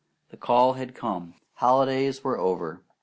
The call had come. Holidays were over.